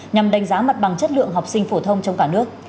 nhằm đánh giá mặt bằng chất lượng học sinh phổ thông trong cả nước